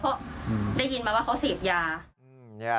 เพราะได้ยินมาว่าเขาเสพยา